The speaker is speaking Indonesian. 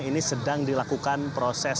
ini sedang dilakukan proses